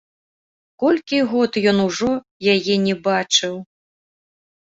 Колькі год ён ужо яе не бачыў!